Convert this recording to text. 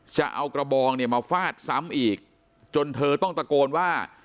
จะเอากระบองเนี่ยมาฟาดซ้ำอีกจนเธอต้องตะโกนว่า